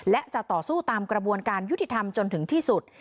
และจะต่อสู้ตามกระบวนการยุติธรรมจนถึงที่สุด